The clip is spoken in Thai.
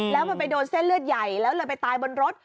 แล้วมันไปโดนเส้นเลือดใหญ่แล้วเลยไปตายบนรถ